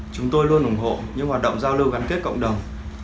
chúng tôi luôn ủng hộ những hoạt động giao lưu gắn kết cộng đồng